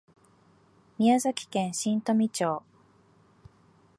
宮崎県新富町